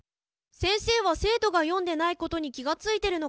先生は生徒が読んでないことに気が付いてるのかな？